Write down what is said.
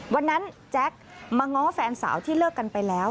แจ๊คมาง้อแฟนสาวที่เลิกกันไปแล้ว